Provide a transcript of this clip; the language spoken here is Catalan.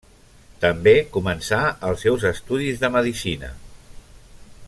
També començà els seus estudis de Medicina.